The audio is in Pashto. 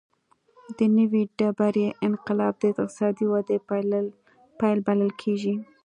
د نوې ډبرې انقلاب د اقتصادي ودې پیل بلل کېږي.